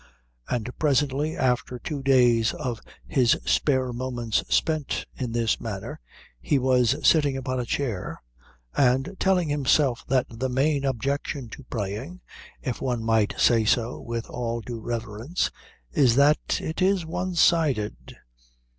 And presently, after two days of his spare moments spent in this manner, he was sitting upon a chair and telling himself that the main objection to praying, if one might say so with all due reverence, is that it is one sided.